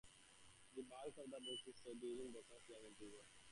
The bulk of the book is set during Berkman's years in prison.